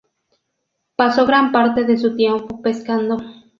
Pasó gran parte de su tiempo pescando.